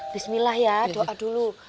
bismillah ya doa dulu